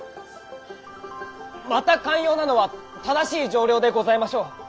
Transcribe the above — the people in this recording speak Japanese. また肝要なのは正しい丈量でございましょう。